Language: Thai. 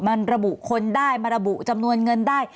มันระบุคนได้มาระบุจำนวนเงินได้